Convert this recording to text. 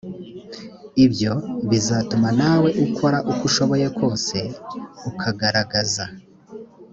ibyo bizatuma nawe ukora uko ushoboye kose ukagaragaza